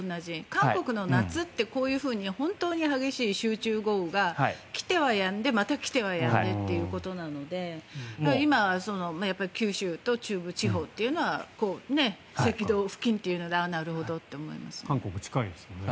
韓国の夏ってこういうふうに本当に激しい集中豪雨が来てはやんでまた来てはやんでということなので今、九州と中国地方というのは赤道付近というので韓国、近いですよね。